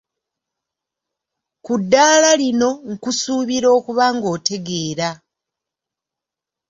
Ku ddaala lino nkusuubira okuba ng'otegeera.